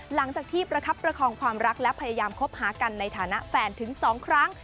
หลังจากที่ประคับประคองความรักและพยายามคบหากันในฐานะแฟนถึง๒ครั้ง